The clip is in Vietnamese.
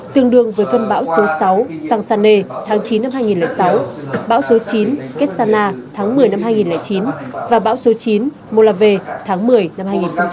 tương đương với cơn bão số sáu sangsane tháng chín năm hai nghìn sáu bão số chín ketsana tháng một mươi năm hai nghìn chín và bão số chín molawe tháng một mươi năm hai nghìn hai mươi